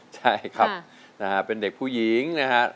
ใช่ครับนะฮะเป็นเด็กผู้หญิงนะฮะ